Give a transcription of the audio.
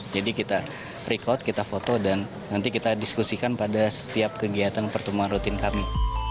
jadi kita rekod kita foto dan nanti kita diskusikan pada setiap kegiatan pertumbuhan rutin kami